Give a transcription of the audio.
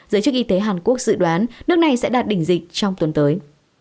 giới chức y tế hàn quốc dự đoán nước này sẽ đạt đỉnh dịch trong tuần tới